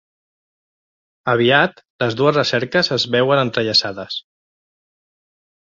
Aviat les dues recerques es veuen entrellaçades.